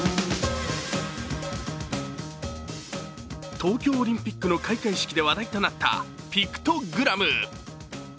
東京オリンピックの開会式で話題となったピクトグラム。